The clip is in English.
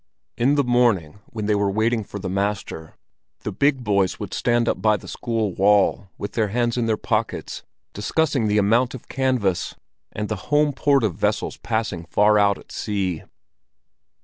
In the morning, when they were waiting for the master, the big boys would stand up by the school wall with their hands in their pockets, discussing the amount of canvas and the home ports of vessels passing far out at sea.